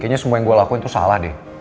kayaknya semua yang gue lakuin itu salah deh